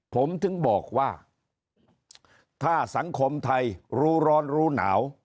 ผมถึงบอกว่าถ้าสังคมไทยรู้ร้อนรู้หนาว